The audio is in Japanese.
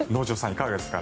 いかがですか。